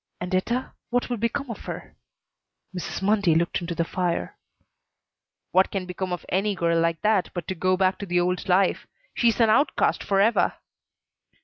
"And Etta what will become of her?" Mrs. Mundy looked into the fire. "What can become of any girl like that but to go back to the old life? She's an outcast forever."